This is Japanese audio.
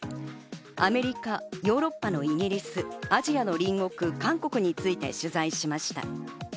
アメリカ、ヨーロッパのイギリス、アジアの隣国・韓国について取材しました。